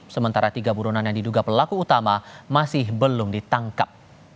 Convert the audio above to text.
sementara tiga buronan yang diduga pelaku utama masih belum ditangkap